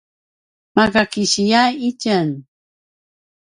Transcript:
ma’a kisiya itjen